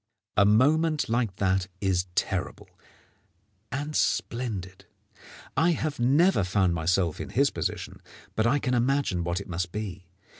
A moment like that is terrible and splendid. I have never found myself in his position, but I can imagine what it must be.